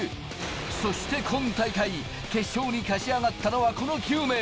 そして今大会、決勝に勝ち上がったのはこの９名。